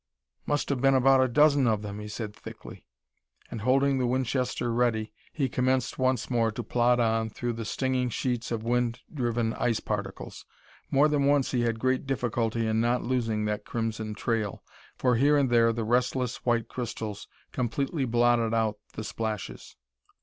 "Must have been about a dozen of them," he said thickly. And, holding the Winchester ready, he commenced once more to plod on through the stinging sheets of wind driven ice particles. More than once he had great difficulty in not losing that crimson trail, for here and there the restless, white crystals completely blotted out the splashes.